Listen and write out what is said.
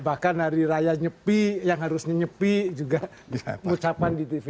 bahkan hari raya nyepi yang harus nyepi juga ucapan di tv